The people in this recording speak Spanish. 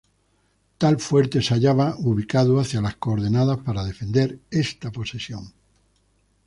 Tal fuerte se hallaba ubicado hacia las coordenadas para defender esta posesión.